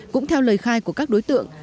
cũng theo lời khai của các đối tượng